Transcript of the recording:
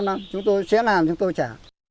ba năm năm chúng tôi sẽ làm chúng tôi trả